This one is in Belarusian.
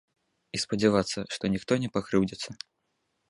І спадзявацца, што ніхто не пакрыўдзіцца.